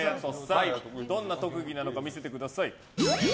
どんな特技なのか見せてください。